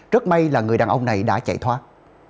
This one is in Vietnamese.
rất may là người đàn ông này đã chạy thoát